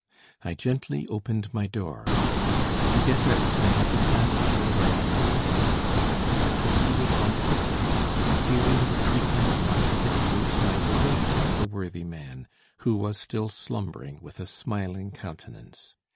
I gently opened my door. To get out I had to pass through my uncle's room. I proceeded on tip toe, fearing the creaking of my thick boots might awaken the worthy man, who was still slumbering with a smiling countenance.